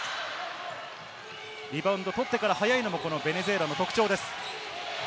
リバウンド取ってから速いのもベネズエラの特徴です。